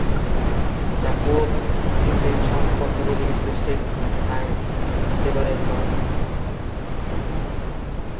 The coup intentions possibly existed since several months before the resignation.